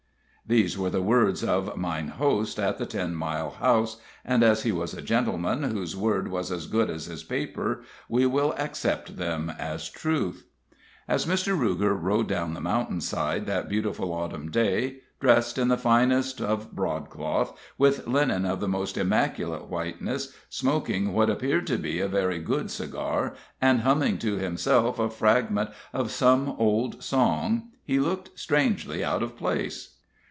These were the words of "mine host" at the Ten Mile House, and, as he was a gentleman whose word was as good as his paper, we will accept them as truth. As Mr. Ruger rode down the mountain side that beautiful Autumn day, dressed in the finest of broadcloth, with linen of the most immaculate whiteness, smoking what appeared to be a very good cigar, and humming to himself a fragment of some old song, he looked strangely out of place.